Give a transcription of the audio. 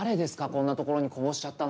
こんな所にこぼしちゃったの。